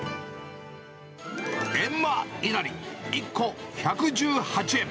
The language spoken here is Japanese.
閻魔いなり１個１１８円。